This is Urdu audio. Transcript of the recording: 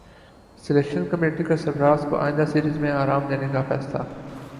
سلیکشن کمیٹی کا سرفراز کو ئندہ سیریز میں رام دینے کا فیصلہ